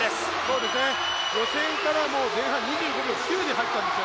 予選からも前半２５秒９で入ったんです。